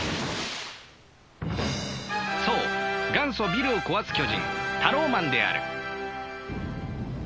そう元祖ビルを壊す巨人タローマンである。